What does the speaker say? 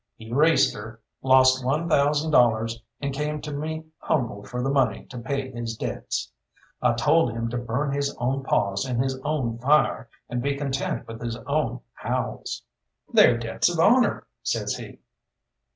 He raced her, lost one thousand dollars, and came to me humble for the money to pay his debts. I told him to burn his own paws in his own fire, and be content with his own howls. "They're debts of honour!" says he.